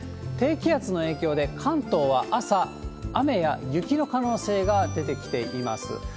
低気圧の影響で、関東は朝雨や雪の可能性が出てきています。